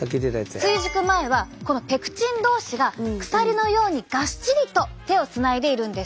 追熟前はこのペクチン同士が鎖のようにがっしりと手をつないでいるんです。